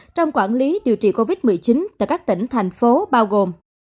trong quản lý điều trị covid một mươi chín tại các tỉnh thành phố bao gồm